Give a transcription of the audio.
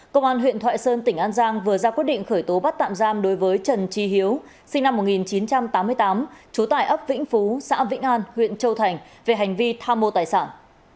công an huyện thoại sơn tỉnh an giang vừa ra quyết định khởi tố bắt tạm giam đối với trần trí hiếu sinh năm một nghìn chín trăm tám mươi tám trú tại ấp vĩnh phú xã vĩnh an huyện châu thành về hành vi tham mô tài sản